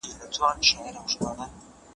هغه هیوادونه په جلا ډله کي راوستل.